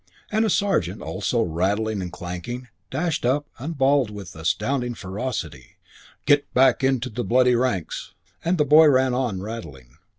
And a sergeant, also rattling and clanking, dashed up and bawled with astounding ferocity, "Get back into the bloody ranks!" And the boy ran on, rattling.